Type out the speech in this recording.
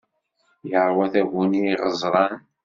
Yeṛwa taguni iɣeẓran.